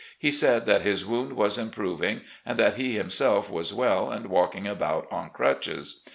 He said that his wound was improving, and that he himself was well and walking about on crutches.